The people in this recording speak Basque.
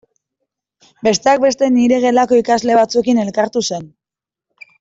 Besteak beste nire gelako ikasle batzuekin elkartu zen.